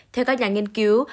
theo các nhà nghiên cứu